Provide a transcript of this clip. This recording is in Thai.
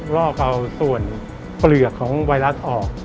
ลอกเอาส่วนเปลือกของไวรัสออก